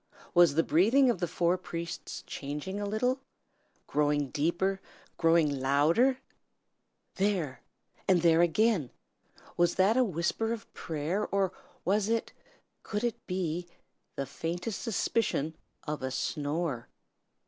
Was the breathing of the four priests changing a little, growing deeper, growing louder? There! and there again! was that a whisper of prayer, or was it could it be the faintest suspicion of a snore?